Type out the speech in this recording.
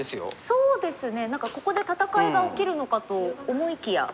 そうですね何かここで戦いが起きるのかと思いきや。